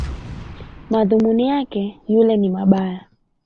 Madhumuni yake yule ni mabaya